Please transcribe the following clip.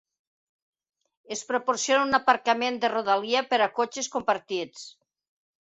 Es proporciona un aparcament de rodalia per a cotxes compartits.